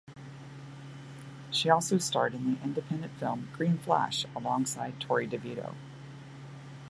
She also starred in the independent film "Green Flash" alongside Torrey DeVitto.